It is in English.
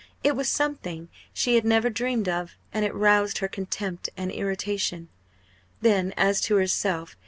It was something she had never dreamed of; and it roused her contempt and irritation. Then as to herself.